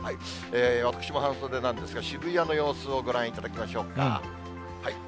私も半袖なんですが、渋谷の様子をご覧いただきましょうか。